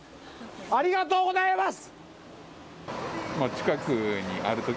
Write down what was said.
ありがとうございます！